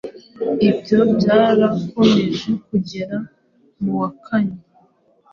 Ibyo byarakomeje kugera mu wa kanye,